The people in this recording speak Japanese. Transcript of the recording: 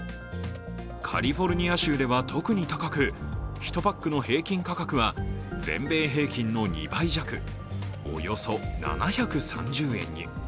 カリフォルニア州では特に高く、１パックの平均価格は全米平均の２倍弱、およそ７３０円に。